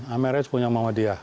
amin rais punya mawadiah